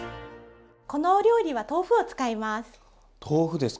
このお料理は豆腐を使います。